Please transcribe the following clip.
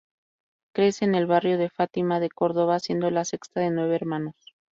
Crece en el barrio de Fátima, de Córdoba siendo la sexta de nueve hermanos.